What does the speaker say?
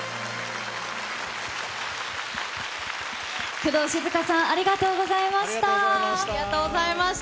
工藤静香さん、ありがとうごありがとうございました。